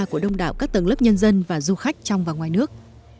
của đông đảo các tầng lớp nhân dân và du khách trong và ngoài nước